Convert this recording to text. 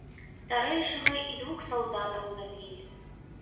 Старэйшага і двух салдатаў забілі.